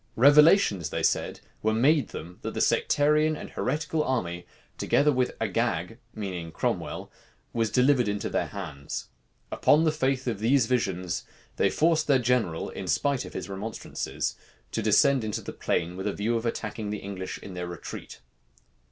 Revelations, they said, were made them, that the sectarian and heretical army, together with Agag, meaning Cromwell, was delivered into their hands. Upon the faith of these visions, they forced their general, in spite of his remonstrances, to descend into the plain with a view of attacking the English in their retreat.